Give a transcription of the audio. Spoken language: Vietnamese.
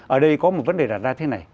ở đây có một vấn đề đặt ra thế này